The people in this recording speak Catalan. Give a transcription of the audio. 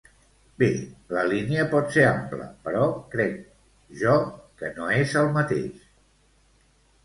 Bé, la línia pot ser ampla, però crec jo que no és el mateix.